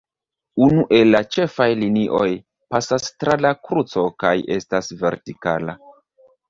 Unu el la ĉefaj linioj pasas tra la kruco kaj estas vertikala.